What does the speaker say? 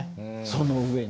その上に。